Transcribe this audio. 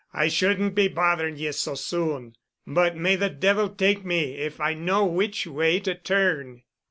"I shouldn't be bothering ye so soon, but may the devil take me if I know which way to turn."